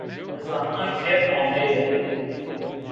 Mi zana ke ameyo